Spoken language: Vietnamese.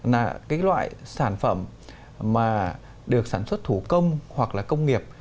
là cái loại sản phẩm mà được sản xuất thủ công hoặc là công nghiệp